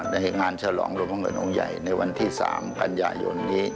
ได้ให้งานฉรองหลวงพ่อเงินองค์ใหญ่ในวันที่สามปัญญายนนี้